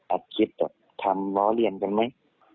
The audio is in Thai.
แอดคลิปเถอะทำเลาะเรียนจังไหม